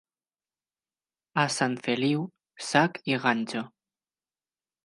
A Sant Feliu, sac i ganxo.